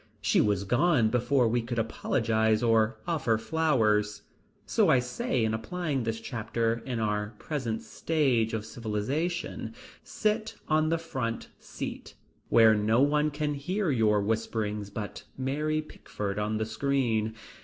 She was gone before we could apologize or offer flowers. So I say in applying this chapter, in our present stage of civilization, sit on the front seat, where no one can hear your whisperings but Mary Pickford on the screen.